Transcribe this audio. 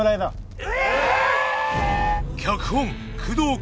え！